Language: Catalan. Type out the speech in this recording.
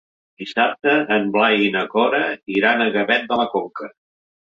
Dissabte en Blai i na Cora iran a Gavet de la Conca.